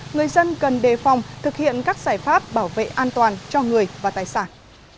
người dân cần đề phòng thực hiện các giải pháp bảo vệ an toàn cho người và tài sản